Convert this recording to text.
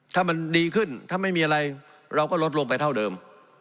ถ้ามันดีขึ้นถ้าไม่มีอะไรเราก็ลดลงไปเท่าเดิม